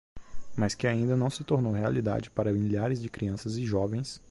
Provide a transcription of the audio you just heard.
mas que ainda não se tornou realidade para milhares de crianças e jovens